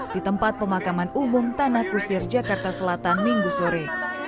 di tempat pemakaman umum tanah kusir jakarta selatan minggu sore